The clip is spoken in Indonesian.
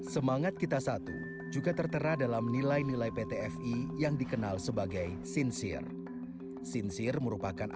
semangat kita satu juga tertera dalam nilai dan kekuatan